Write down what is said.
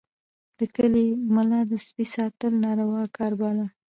د کلي ملا د سپي ساتل ناروا کار باله.